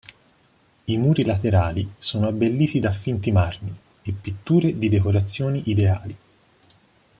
I muri laterali sono abbelliti da finti marmi, e pitture di decorazioni ideali.